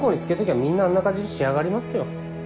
みんなあんな感じに仕上がりますよ